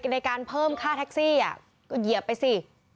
ในการเพิ่มค่าแท็กซี่ก็เหยียบไปสิ